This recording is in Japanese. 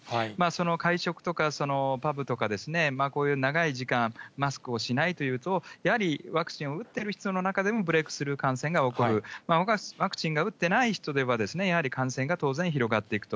会食とかパブとか、こういう長い時間、マスクをしないというと、やはりワクチンを打ってる人の中でもブレイクスルー感染が起こる、ワクチンを打ってない人ではやはり感染が当然広がっていくと。